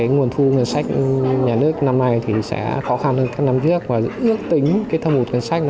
nguồn thu ngân sách nhà nước năm nay thì sẽ khó khăn hơn các năm trước và ước tính thâm hụt ngân sách